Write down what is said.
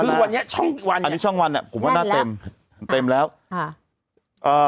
คือวันนี้ช่องวันอันนี้ช่องวันอ่ะผมว่าน่าเต็มนั่นแล้วเต็มแล้วอ่า